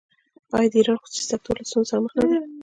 آیا د ایران خصوصي سکتور له ستونزو سره مخ نه دی؟